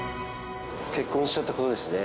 結婚しちゃった事ですね。